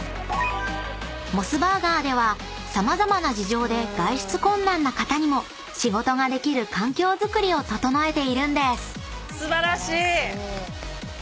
［モスバーガーでは様々な事情で外出困難な方にも仕事ができる環境づくりを整えているんです］